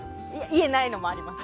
言えないのもあります。